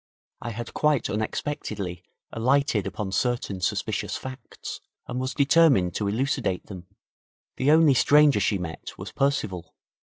I had quite unexpectedly alighted upon certain suspicious facts, and was determined to elucidate them. The only stranger she met was Percival.